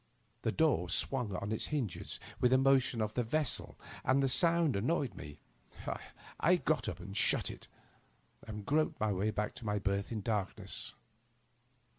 The door swung on its hinges with the motion of the vessel, and the sound annoyed me. I got up and shut it, and groped my way back to my berth in the darkness.